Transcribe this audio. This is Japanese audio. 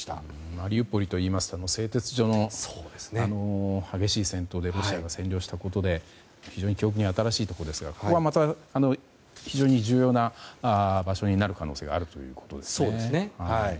マリウポリといいますと製鉄所の激しい戦闘でロシアが占領したことで非常に記憶に新しいところですがここはまた非常に重要な場所になる可能性があるということですね。